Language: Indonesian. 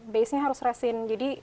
basenya harus resin jadi dia nyatu gitu